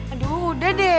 aduh udah deh